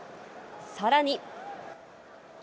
さらに。